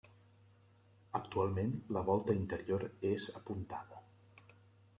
Actualment la volta interior és apuntada.